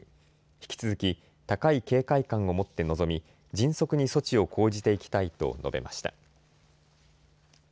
引き続き高い警戒感を持って臨み迅速に措置を講じていきたいと述べました。